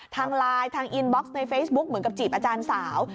ทางไลน์ทางอินบ็อกซ์ในเฟซบุ๊คเหมือนกับจีบอาจารย์สาว